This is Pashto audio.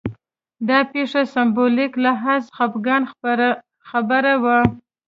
دا پېښه سېمبولیک لحاظ خپګان خبره وه